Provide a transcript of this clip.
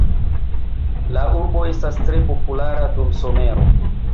La urbo estas tre populara dum somero.